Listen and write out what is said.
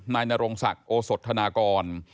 นายนรงศักดิ์โอสดธนากร